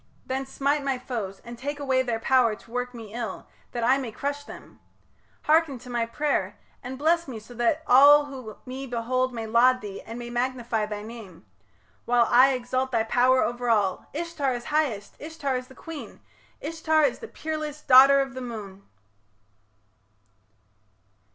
Then smite my foes, And take away their power to work me ill, That I may crush them. Hearken to my pray'r! And bless me so that all who me behold May laud thee and may magnify thy name, While I exalt thy power over all Ishtar is highest! Ishtar is the queen! Ishtar the peerless daughter of the moon!